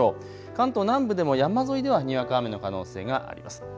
関東南部でも山沿いではにわか雨の可能性があります。